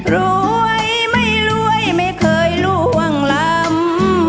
รวยไม่รวยไม่เคยล่วงล้ำ